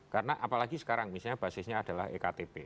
karena apalagi sekarang misalnya basisnya adalah ektp